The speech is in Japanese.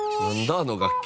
あの楽器。